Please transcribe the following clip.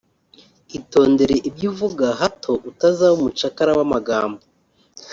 Itondere ibyo uvuga hato utazaba umucakara w’amagambo]